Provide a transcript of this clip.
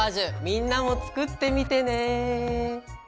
みんなも作ってみてね！